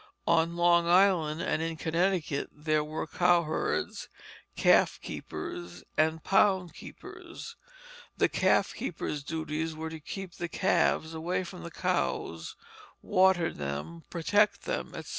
On Long Island and in Connecticut there were cowherds, calf keepers, and pound keepers. The calf keepers' duties were to keep the calves away from the cows, water them, protect them, etc.